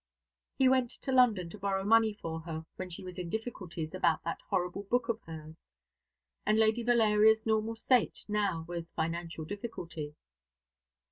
He went to London to borrow money for her when she was in difficulties about that horrible book of hers: and Lady Valeria's normal state now was financial difficulty.